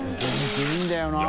亀いいんだよな。